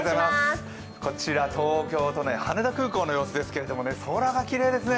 こちら東京都羽田空港の様子ですけれども空がきれいですね。